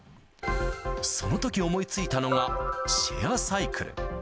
そのとき思いついたのが、シェアサイクル。